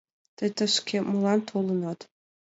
Тый тышке молан толынат?